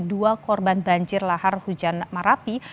dua korban banjir lahar hujan marapi